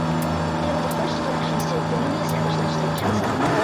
They were the first elections to the newly established Legislative Council.